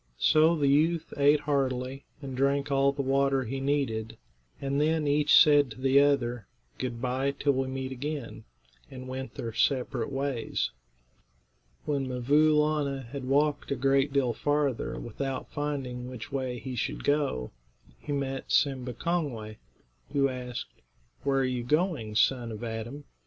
So the youth ate heartily, and drank all the water he needed, and then each said to the other, "Good bye, till we meet again," and went their separate ways. When 'Mvoo Laana had walked a great deal farther without finding which way he should go, he met Simba Kongway, who asked, "Where are you going, son of Adam?"